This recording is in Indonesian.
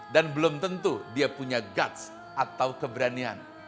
dan belum tentu dia punya guts atau keberanian